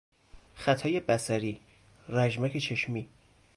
خطای بصری، رمژکچشمی